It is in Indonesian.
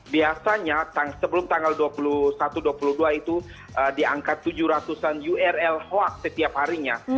biasanya sebelum tanggal dua puluh satu dua puluh dua itu diangkat tujuh ratus an url hoax setiap harinya